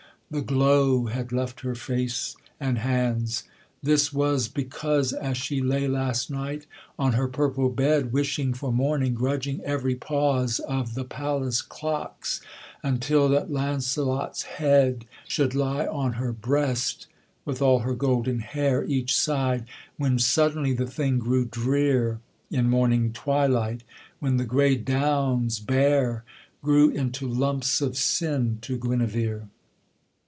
the glow Had left her face and hands; this was because As she lay last night on her purple bed, Wishing for morning, grudging every pause Of the palace clocks, until that Launcelot's head Should lie on her breast, with all her golden hair Each side: when suddenly the thing grew drear, In morning twilight, when the grey downs bare Grew into lumps of sin to Guenevere.